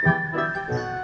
dia pasti kangen